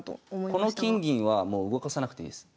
この金銀はもう動かさなくていいです。